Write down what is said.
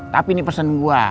tapi ini pesen gua